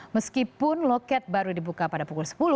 meskipun loket baru dibuka pada pukul sepuluh